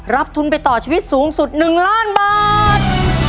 ทุนไปต่อชีวิตสูงสุด๑ล้านบาท